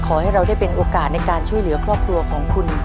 ขอให้เราได้เป็นโอกาสในการช่วยเหลือครอบครัวของคุณ